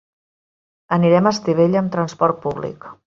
Anirem a Estivella amb transport públic.